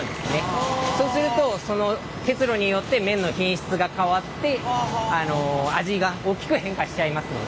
そうするとその結露によって麺の品質が変わって味が大きく変化しちゃいますので。